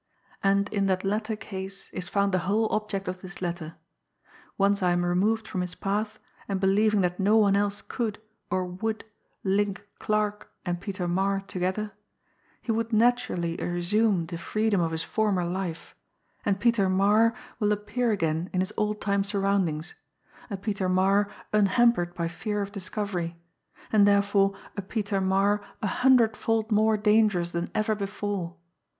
And in that latter case is found the whole object of this letter. Once I am removed from his path, and believing that no one else could, or would, link 'Clarke' and Peter Marre together, he will naturally resume the freedom of his former life, and Peter Marre will appear again in his old time surroundings, a Peter Marre unhampered by fear of discovery, and therefore a Peter Marre a hundredfold more dangerous than ever before.